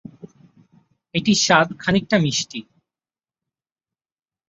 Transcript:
এটির স্বাদ খানিকটা মিষ্টি।